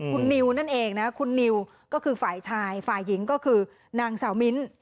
คุณนิวนั่นเองนะคุณนิวก็คือฝ่ายชายฝ่ายหญิงก็คือนางสาวมิ้น